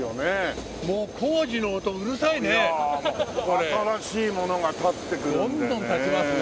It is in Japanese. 新しいものが建ってくるんでね。